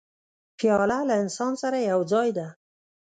پیاله له انسان سره یو ځای ده.